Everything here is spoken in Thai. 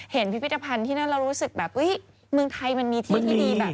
พิพิธภัณฑ์ที่นั่นเรารู้สึกแบบเมืองไทยมันมีที่ที่ดีแบบ